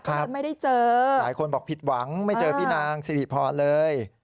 ไม่ได้เจอหลายคนบอกผิดหวังไม่เจอพี่นางสิริพรเลย